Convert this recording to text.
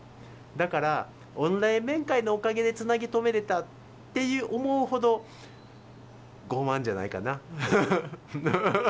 だから、オンライン面会のおかげでつなぎ留めれたって思うほど傲慢じゃないかな。